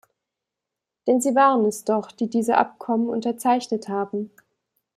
Denn sie waren es doch, die diese Abkommen unterzeichnet haben.